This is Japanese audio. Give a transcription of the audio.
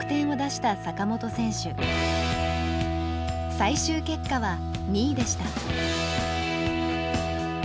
最終結果は２位でした。